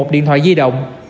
một mươi một điện thoại di động